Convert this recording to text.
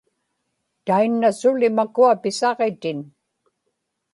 tainna suli makua pisaġitin